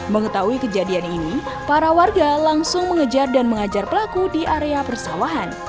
mengetahui kejadian ini para warga langsung mengejar dan mengajar pelaku di area persawahan